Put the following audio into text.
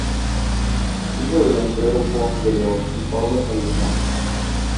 Hijo de don Pedro Ponce de León y Paula Salmón.